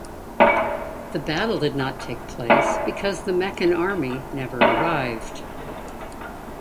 The battle did not take place because the Meccan army never arrived.